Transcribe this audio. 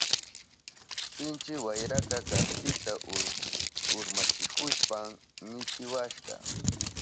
Sinchi wayraka kaspita urmachihushpan nitiwashka.